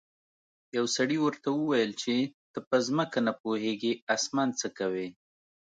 یو سړي ورته وویل چې ته په ځمکه نه پوهیږې اسمان څه کوې.